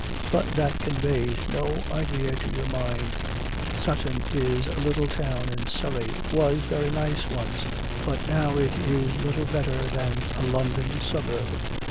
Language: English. But that conveys no idea to your mind. Sutton is a little town in Surrey. It was very nice once, but now it is little better than a London suburb.